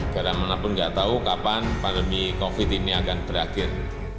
karena mana pun tidak tahu kapan pandemi covid ini akan berakhir